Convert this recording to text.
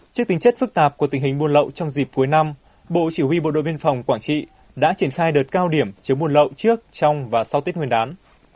trước tình chất phức tạp của tình hình buôn lậu trong dịp cuối năm bộ chỉ huy bộ đội biên phòng quảng trị đã triển khai đợt cao điểm chống buôn lậu trước trong và sau tết nguyên đán